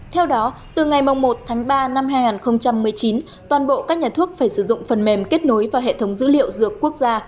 theo đó từ ngày một tháng ba năm hai nghìn một mươi chín toàn bộ các nhà thuốc phải sử dụng phần mềm kết nối và hệ thống dữ liệu dược quốc gia